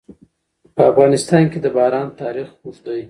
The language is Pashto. په افغانستان کې د باران تاریخ اوږد دی.